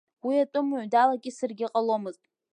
Уи атәымуаҩ далакьысыргьы ҟаломызт.